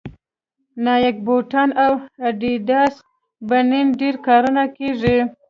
نایک بوټان او اډیډاس بنېن ډېر کارول کېږي